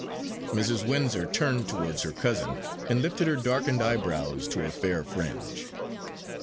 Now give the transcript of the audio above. Mrs. Windsor turned towards her cousin, and lifted her darkened eyebrows to her fair fringe.